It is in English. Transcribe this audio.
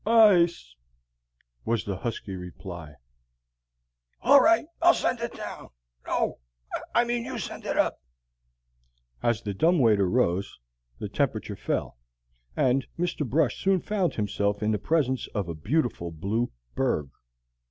"Ice!" was the husky reply. "All right, I'll send it down. No, I mean, you send it up." As the dumb waiter rose, the temperature fell, and Mr. Brush soon found himself in the presence of a beautiful blue berg.